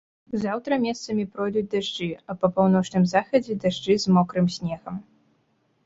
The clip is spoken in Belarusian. Заўтра месцамі пройдуць дажджы, а па паўночным захадзе дажджы з мокрым снегам.